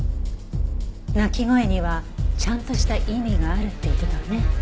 鳴き声にはちゃんとした意味があるって言ってたわね。